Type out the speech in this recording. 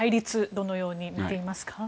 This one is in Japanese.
どのように見ていますか？